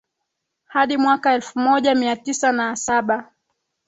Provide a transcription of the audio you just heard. hadi mwaka elfu moja mia tisa na saba